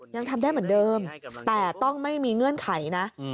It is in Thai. ยังทำได้เหมือนเดิมแต่ต้องไม่มีเงื่อนไขนะ